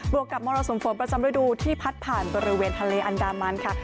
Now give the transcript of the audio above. วกกับมรสุมฝนประจำฤดูที่พัดผ่านบริเวณทะเลอันดามันค่ะ